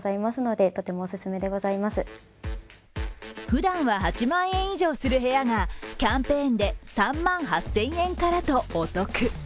ふだんは８万円以上する部屋がキャンペーンで３万８０００円からとお得。